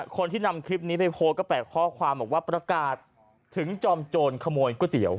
คนที่นำคลิปนี้ไปโพสต์ก็แปลกข้อความบอกว่าประกาศถึงจอมโจรขโมยก๋วยเตี๋ยว